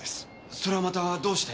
それはまたどうして？